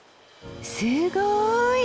すごい！